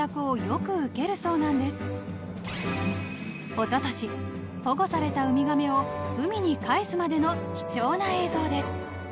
［おととし保護されたウミガメを海に返すまでの貴重な映像です］